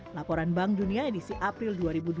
laporan bank dunia edisi april dua ribu dua puluh